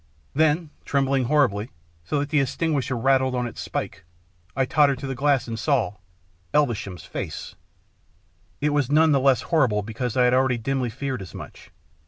Then, trembling horribly, so that the extinguisher rattled on its spike, I tottered to the glass and saw Elveshanis face! It was none the less horrible because I had already dimly feared as much.